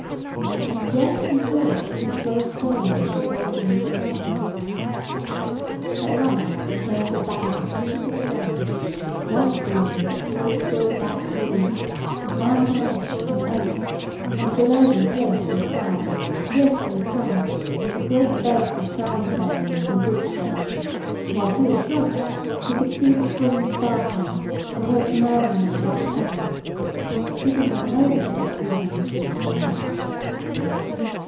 And yet he thought he could throw a stone into the old woman's garden. At last he came to a bank of beautiful shrubs; white beam with its great silver backed leaves, and mountain ash, and oak; and below them cliff and crag, cliff and crag, with great beds of crown ferns and wood sedge; while through the shrubs he could see the stream sparkling, and hear it murmur on the white pebbles. He did not know that it was three hundred feet below.